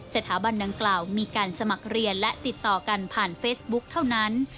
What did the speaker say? สถาบันดังกล่าวมีการสมัครเรียนและติดต่อกันผ่านเฟซบุ๊กเท่านั้น